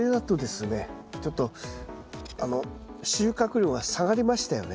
ちょっと収穫量が下がりましたよね。